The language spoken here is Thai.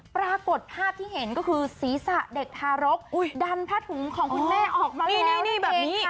ปรากฏภาพที่เห็นก็คือศีรษะเด็กทารกดันผ้าถุงของคุณแม่ออกมานี่แบบนี้